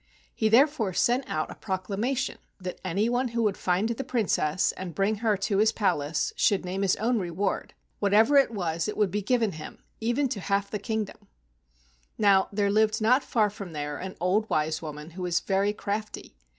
He therefore sent out a proclamation that any one who would find the Princess and bring her to his palace should name his own reward. Whatever it was it should be given him, even to the half of the kingdom. Now there lived not far from there an old wise woman who was very crafty.